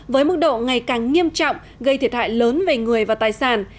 với mức độ ngày càng nghiêm trọng gây thiệt hại lớn về người và tài sản